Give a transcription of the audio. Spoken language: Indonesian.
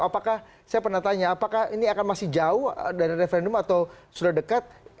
apakah saya pernah tanya apakah ini akan masih jauh dari referendum atau sudah dekat